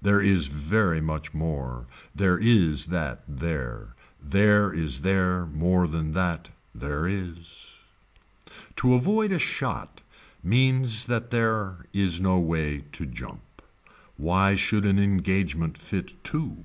There is very much more. There is that there. There is there more than that. There is. To avoid a shot means that there is no way to jump. Why should an engagement fit two.